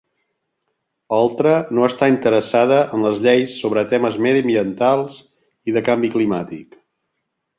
Oltra no està interessada en les lleis sobre temes mediambientals i de canvi climàtic